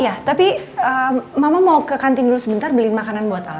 iya tapi mama mau ke kantin dulu sebentar beli makanan buat apa